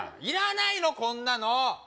いらないのこんなの！